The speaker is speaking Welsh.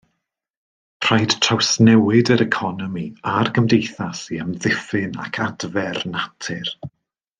Rhaid trawsnewid yr economi a'r gymdeithas i amddiffyn ac adfer natur.